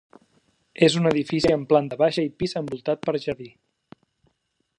És un edifici amb planta baixa i pis envoltat per jardí.